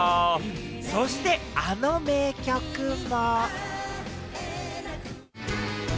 そして、あの名曲も！